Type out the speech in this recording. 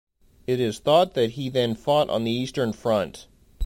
It is thought that he then fought on the eastern front.